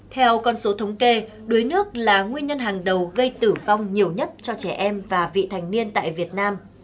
theo con số thống kê đuối nước là nguyên nhân hàng đầu gây tử vong nhiều nhất cho trẻ em và vị thành niên tại việt nam